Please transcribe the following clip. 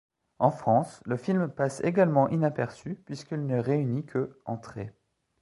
En France, le film passe également inaperçu puisqu'il ne réunit que entrées.